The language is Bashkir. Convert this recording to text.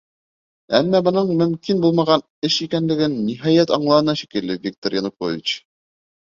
Әммә бының мөмкин булмаған эш икәнлеген, ниһайәт, аңланы шикелле Виктор Янукович.